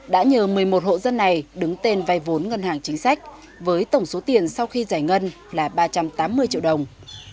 đã nhờ một mươi một hộ dân này đứng tên vay vốn ngân hàng chính sách với tổng số tiền sau khi giải ngân là ba trăm tám mươi triệu đồng